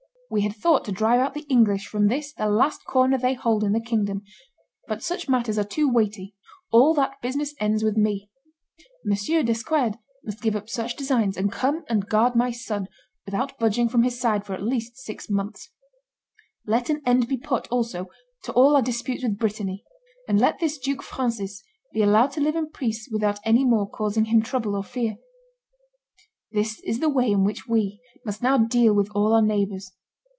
We had thought to drive out the English from this the last corner they hold in the kingdom; but such matters are too weighty; all that business ends with me. M. d'Esquerdes must give up such designs, and come and guard my son without budging from his side for at least six months. Let an end be put, also, to all our disputes with Brittany, and let this Duke Francis be allowed to live in peace without any more causing him trouble or fear. This is the way in which we, must now deal with all our neighbors.